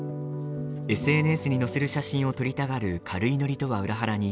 ＳＮＳに載せる写真を撮りたがる軽いノリとは裏腹に